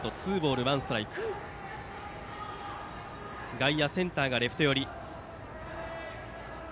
外野、センターがレフト寄り。